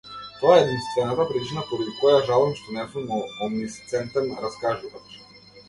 Тоа е единствената причина поради која жалам што не сум омнисцентен раскажувач.